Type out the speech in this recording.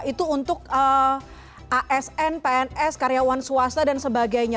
itu untuk asn pns karyawan swasta dan sebagainya